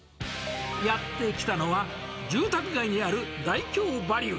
やって来たのは住宅街にあるダイキョーバリュー。